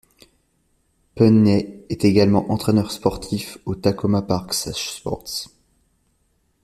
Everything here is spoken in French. Penney est également entraineur sportif au Takoma Park's sports.